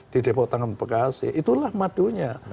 di depok tangan bekasi itulah madunya